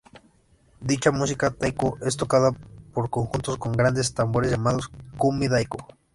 Dicha música taiko es tocada por conjuntos con grandes tambores llamados "kumi-daiko".